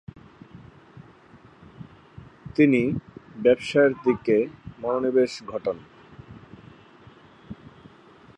তিনি ব্যবসায়ের দিকে মনোনিবেশ ঘটান।